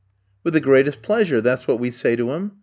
"'With the greatest pleasure,' that's what we say to him.